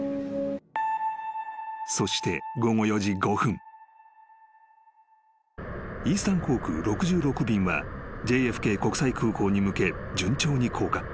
［そして］［イースタン航空６６便はＪＦＫ国際空港に向け順調に降下］